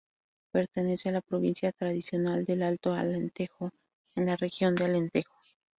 Pertenece a la provincia tradicional del Alto Alentejo, en la región de Alentejo.